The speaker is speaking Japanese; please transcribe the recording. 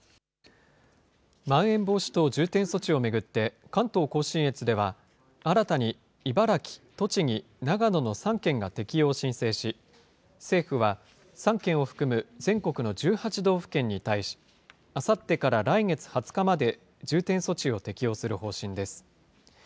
まん延防止等重点措置を巡って、関東甲信越では新たに茨城、栃木、長野の３県が適用申請し、政府は３県を含む全国の１８道府県に対し、あさってから来月２０日まで重点措置を適用する方針です。